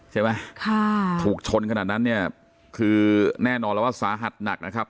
ใช่ไหมค่ะถูกชนขนาดนั้นเนี่ยคือแน่นอนแล้วว่าสาหัสหนักนะครับ